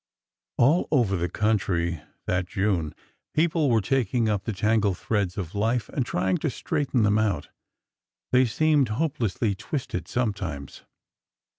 All over the country, that June, people were taking up the tangled threads of life and trying to straighten them out. They seemed hopelessly twisted sometimes.